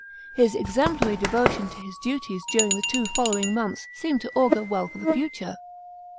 His exemplary devotkm to his duties during the two following months seemed to augur well for the future.